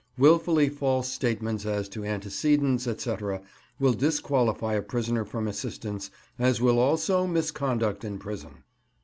Wilfully false statements as to antecedents, &c., will disqualify a prisoner from assistance, as will also misconduct in prison."